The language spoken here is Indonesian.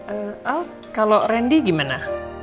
eh alp kalau randy gimana